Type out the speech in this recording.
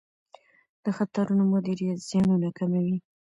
د خطرونو مدیریت زیانونه کموي.